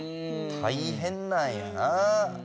大変なんやな。